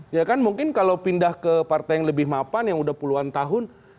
ya kan mungkin kalau pindah ke partai yang lebih mapan yang udah puluhan tahun